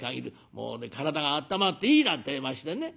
もうね体があったまっていいなんてえ言いましてね」。